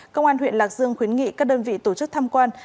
công an huyện lạc dương khuyến nghị các đơn vị tổ chức tham quan